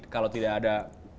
kalau tidak ada